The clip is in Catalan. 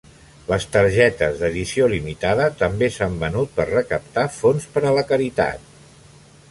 Les targetes dedició limitada també s'han venut per recaptar fons per a la caritat.